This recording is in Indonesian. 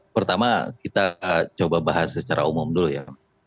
pertama kita coba bahas secara umum dulu ya